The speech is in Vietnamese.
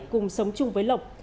cùng sống chung với lộc